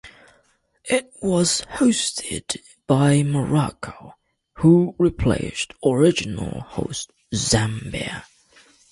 It was hosted by Morocco, who replaced original host Zambia.